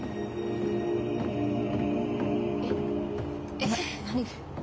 えっ何？